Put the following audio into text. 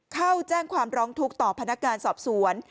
เข้าแจ้งความร้องทุกข์ต่อพนักงานสอบสวน